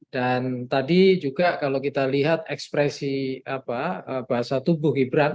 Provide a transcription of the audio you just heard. dan tadi juga kalau kita lihat ekspresi bahasa tubuh gibran